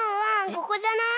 ここじゃない？